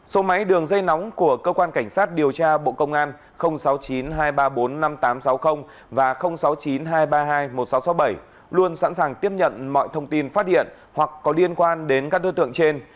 số máy đường dây nóng của cơ quan cảnh sát điều tra bộ công an sáu mươi chín hai trăm ba mươi bốn năm nghìn tám trăm sáu mươi và sáu mươi chín hai trăm ba mươi hai một nghìn sáu trăm sáu mươi bảy luôn sẵn sàng tiếp nhận mọi thông tin phát hiện hoặc có liên quan đến các đối tượng trên